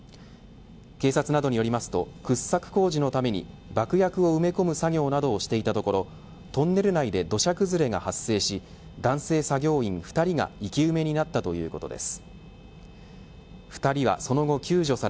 警察などによりますと掘削工事のために爆薬を埋め込む作業などをしていたところトンネル内で土砂崩れが発生し男性作業員２人が生き埋めになった木曜日のお天気をお伝えします。